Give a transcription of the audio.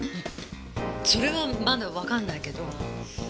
それはまだわかんないけど。